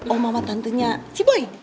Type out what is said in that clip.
om mama tantunya ciboy